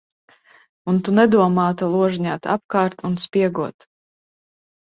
Un tu nedomā te ložņāt apkārt un spiegot.